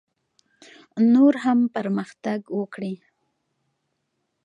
نور هم پرمختګ وکړي.